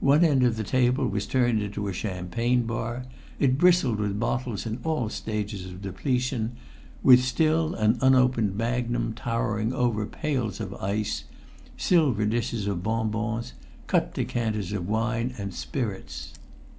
One end of the table was turned into a champagne bar; it bristled with bottles in all stages of depletion, with still an unopened magnum towering over pails of ice, silver dishes of bonbons, cut decanters of wine and spirits.